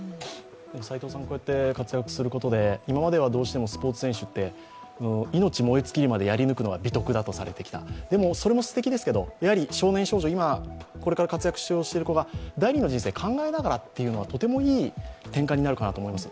斎藤さんがこうやって活躍することで今まではどうしてもスポーツ選手って命燃え尽きるまでやるのが美徳だとされてきた、それもすてきですけど、少年少女、これから活用しようとしている子が第二の人生を考えながらというのはとてもいい転換になるかと思います。